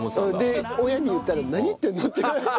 で親に言ったら「何言ってんの？」って言われて。